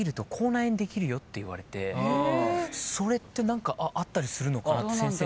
それって何かあったりするのかなって先生に。